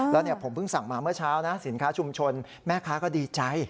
แล้วผมเพิ่งสั่งมาเมื่อเช้านะสินค้าชุมชนแม่ค้าก็ดีใจ